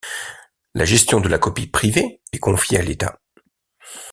La gestion de la copie privée est confiée à l'état.